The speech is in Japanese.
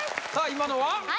今のは？